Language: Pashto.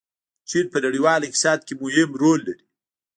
چین په نړیواله اقتصاد کې مهم رول لري.